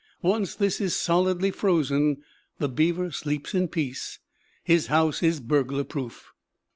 Once this is solidly frozen, the beaver sleeps in peace; his house is burglar proof.